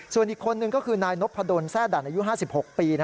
ส่วนอีกคนนึงก็คือนายนพดลแซ่ดันอายุ๕๖ปี